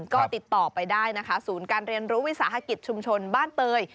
ก็ติดต่อไปได้นะคะศูนย์การเรียนรู้วิสาหกิจชุมชนบ้านเตย